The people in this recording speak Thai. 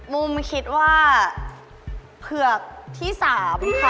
มุมคิดว่าเผือกที่๓ค่ะ